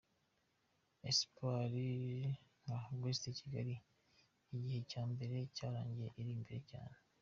Espoir nka ‘Guest’ i Kigali, igice cya mbere cyarangiye iri imbere cyane.